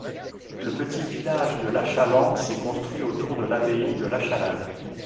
Le petit village de Lachalande s'est construit autour de l'abbaye de Lachalade.